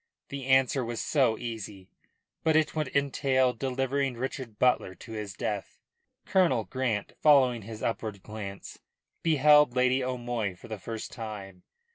The answer was so easy, but it would entail delivering Richard Butler to his death. Colonel Grant, following his upward glance, beheld Lady O'Moy for the first time.